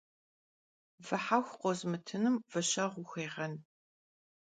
Vı hexu khozımıtınum vı şeğu vuxêğen.